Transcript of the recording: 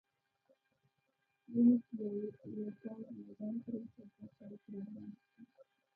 وینې چې یو پوځ میدان پرېښود، بل پوځ را وړاندې شو.